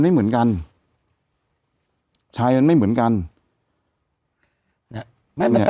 แต่หนูจะเอากับน้องเขามาแต่ว่า